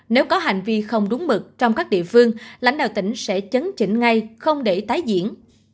nếu có hành vi không đúng mực trong các địa phương lãnh đạo tỉnh sẽ chấn chỉnh ngay không để tái diễn